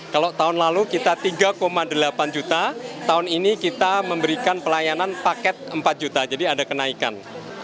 kalau tahun lalu kita tiga delapan juta tahun ini kita memberikan pelayanan paket empat juta jadi ada kenaikan